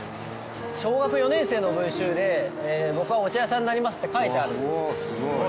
小学４年生の文集で僕はお茶屋さんになりますって書いてあるんです。